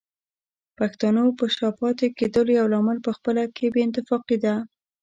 پښتنو په شا پاتې کېدلو يو لامل پخپله کې بې اتفاقي ده